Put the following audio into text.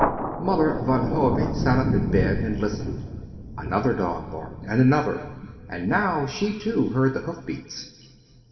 Mother Van Hove sat up in bed and listened; another dog barked, and another, and now she, too, heard the hoof beats.